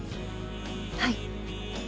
はい。